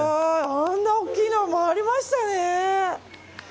あんなに大きいの回りましたね。